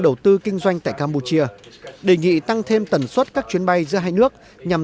đầu tư kinh doanh tại campuchia đề nghị tăng thêm tần suất các chuyến bay giữa hai nước nhằm